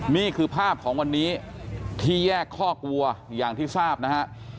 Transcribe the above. นี่คือภาพของวันนี้ที่แยกคอกวัวอย่างที่ทราบนะฮะ